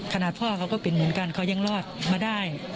พ่อเขาก็เป็นเหมือนกันเขายังรอดมาได้